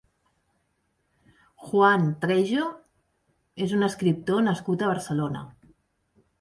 Juan Trejo és un escriptor nascut a Barcelona.